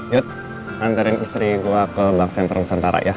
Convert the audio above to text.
yod anterin istri gue ke bank senteran sentara ya